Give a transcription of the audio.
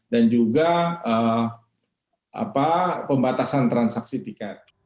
dan juga pembatasan transaksi tiket